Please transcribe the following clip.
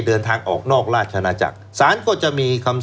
ก็ต้องขออนุญาตสารครับ